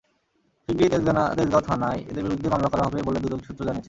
শিগগিরই তেজগাঁও থানায় এঁদের বিরুদ্ধে মামলা করা হবে বলে দুদক সূত্র জানিয়েছে।